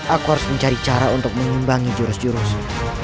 aku harus mencari cara untuk mengimbangi jurus jurus